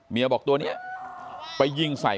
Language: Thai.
บอกตัวนี้ไปยิงใส่